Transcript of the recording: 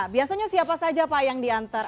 biasanya siapa saja pak yang diantar